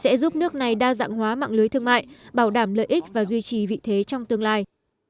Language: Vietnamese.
sẽ giúp nước này đa dạng hóa mạng lưới thương mại bảo đảm lợi ích và duy trì vị thế trong tương lai